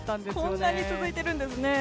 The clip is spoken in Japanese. こんなに続いているんですね。